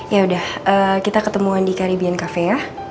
yaudah kita ketemuan di caribbean cafe ya